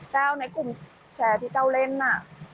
แต้วในกลุ่มแชร์ที่เจ้าเล่นน่ะ